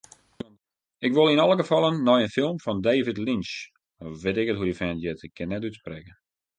Ik wol yn alle gefallen nei dy film fan David Lynch.